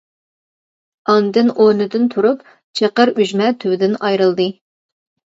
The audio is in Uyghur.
ئاندىن ئورنىدىن تۇرۇپ چېقىر ئۈجمە تۈۋىدىن ئايرىلدى.